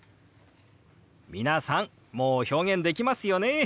皆さんもう表現できますよね。